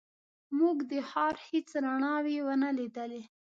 موږ د ښار هېڅ رڼاوې ونه لیدلې.